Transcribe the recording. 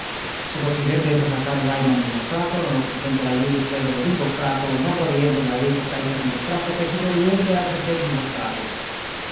Sudokcidente estas la Karl-Reimann-ringostrato, nordokcidente la Julius-Leber-ringostrato, nordoriente la Jakob-Kaiser-ringostrato kaj sudoriente la Alfred-Delp-ringostrato.